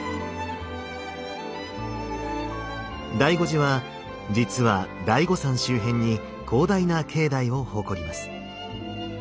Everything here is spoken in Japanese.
醍醐寺は実は醍醐山周辺に広大な境内を誇ります。